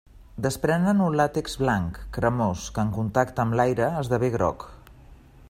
Desprenen un làtex blanc, cremós, que en contacte amb l'aire esdevé groc.